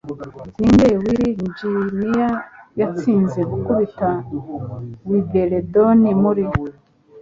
Ninde Virginia Yatsinze Gukubita Winbledon Muri